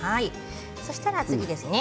そうしたら次ですね。